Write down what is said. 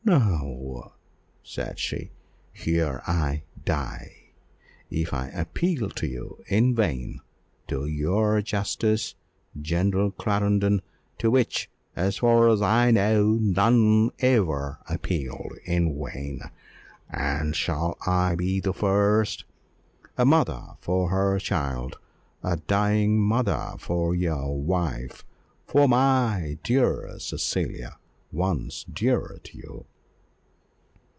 "No," said she, "here I die if I appeal to you in vain to your justice, General Clarendon, to which, as far as I know none ever appealed in vain and shall I be the first? a mother for her child a dying mother for your wife for my dear Cecilia, once dear to you."